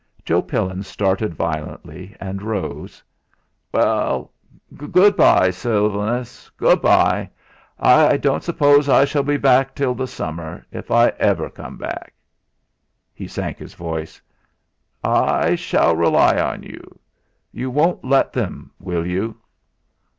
Joe Pillin started violently, and rose. "Well, good bye, Sylvanus good bye! I don't suppose I shall be back till the summer, if I ever come back!" He sank his voice: "I shall rely on you. You won't let them, will you?"